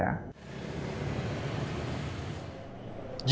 điệp bắt giữ